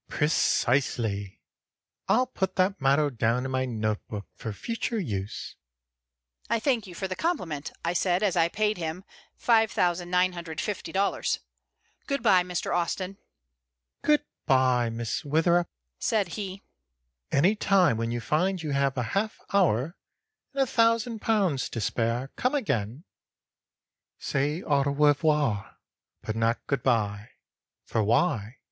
"Precisely. I'll put that motto down in my note book for future use." "I thank you for the compliment," said I, as I paid him $5950. "Good bye, Mr. Austin." "Good bye, Miss Witherup," said he. "Any time when you find you have a half hour and £1000 to spare come again. "Say au revoir, but not good bye, For why?